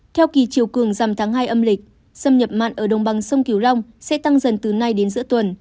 theo kỳ chiều cường dầm tháng hai âm lịch xâm nhập mặn ở đồng bằng sông kiều long sẽ tăng dần từ nay đến giữa tuần